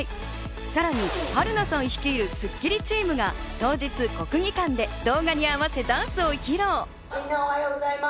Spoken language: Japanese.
さらに春菜さん率いるスッキリチームが当日、国技館で動画に合わせダンスを披露。